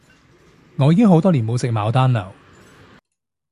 我已經好多年冇食牡丹樓